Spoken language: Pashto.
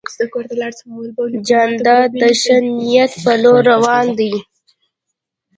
جانداد د ښه نیت په لور روان دی.